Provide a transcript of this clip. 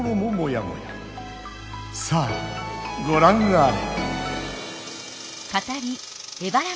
さあごらんあれ！